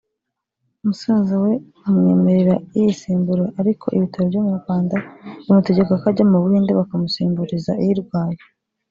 musaza we amwemerera iyisimbura ariko ibitaro byo mu Rwanda bimutegeka ko ajya mu Buhinde bakamusimburiza irwaye